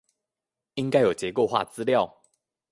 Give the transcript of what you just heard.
應該有結構化資料